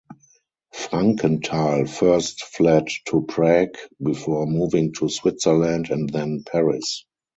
Frankenthal first fled to Prague before moving to Switzerland and then Paris.